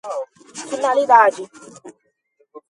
finalidade